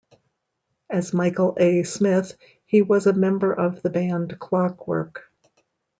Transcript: As Michael A. Smith, he was a member of the band Clockwork.